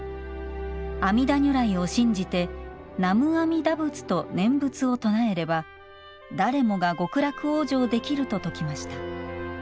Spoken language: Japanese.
阿弥陀如来を信じて「南無阿弥陀仏」と念仏を唱えれば、誰もが極楽往生できると説きました。